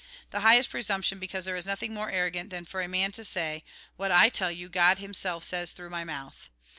The highest presumption, because there is nothing more arrogant than for a man to say, " What I tell you, God Him self says through my mouth."